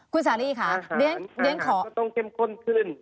คุณสาลีค่ะด้วยงั้นขออาหารก็ต้องเข้มข้นขึ้น